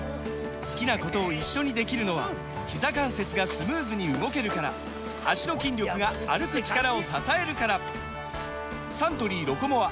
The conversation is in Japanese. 好きなことを一緒にできるのはひざ関節がスムーズに動けるから脚の筋力が歩く力を支えるからサントリー「ロコモア」！